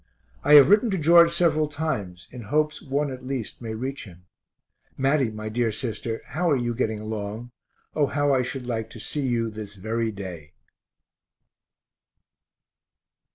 I have written to George several times in hopes one at least may reach him. Matty, my dear sister, how are you getting along? O how I should like to see you this very day.